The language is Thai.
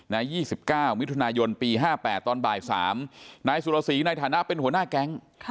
๒๙มิถุนายนปี๕๘ตอนบ่าย๓นายสุรสีในฐานะเป็นหัวหน้าแก๊ง